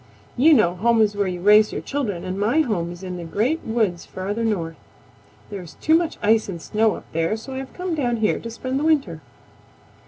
You know home is where you raise your children, and my home is in the Great Woods farther north. There is too much ice and snow up there, so I have come down here to spend the winter."